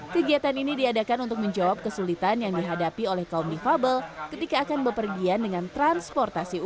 kegiatan ini diadakan untuk menjawab kesulitan yang dihadapi oleh kaum difabel ketika akan bepergian dengan transportasi umum